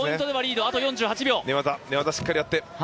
しっかりやって。